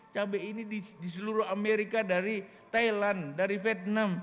cabai ini di seluruh amerika dari thailand dari vietnam